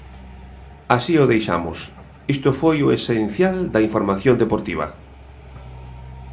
Así o deixamos, isto foi o esencial da información deportiva.